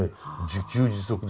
自給自足ですよ。